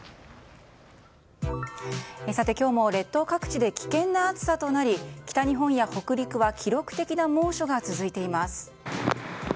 さて、今日も列島各地で危険な暑さとなり北日本や北陸は記録的な猛暑が続いています。